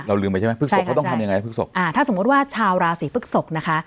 ลืมไปใช่ไหมพฤกษกเขาต้องทำยังไงพฤกษกอ่าถ้าสมมุติว่าชาวราศีพฤกษกนะคะ